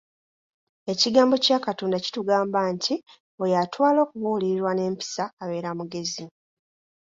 Ekigambo kya Katonda kitugamba nti oyo atwala okubuulirirwa n'empisa abeera mugezi.